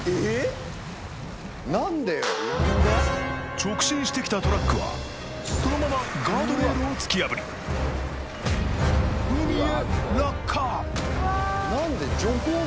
直進してきたトラックはそのままガードレールを突き破り海へ